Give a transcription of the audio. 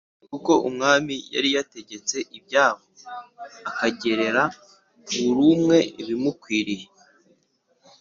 Kuko umwami yari yategetse ibyabo akagerera buri umwe ibimukwiriye